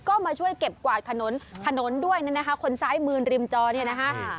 ก็มาช่วยเก็บกวาดถนนถนนด้วยนั่นนะคะคนซ้ายมือริมจอเนี่ยนะคะ